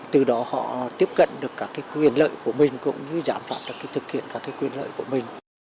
từ đó họ tiếp cận được các quyền lợi của mình cũng như giảm phạt được thực hiện các quyền lợi của mình